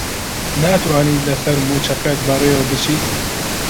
ناتوانیت لەسەر مووچەکەت بەڕێوە بچیت؟